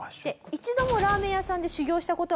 一度もラーメン屋さんで修業した事はありません。